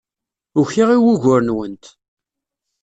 Ukiɣ i wugur-nwent.